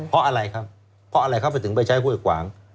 เพราะอะไรครับเพราะอะไรเขาไปถึงไปใช้ห้วยขวาง